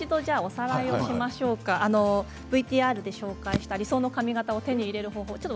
おさらいしましょうかＶＴＲでご紹介した理想の髪形を手に入れる方法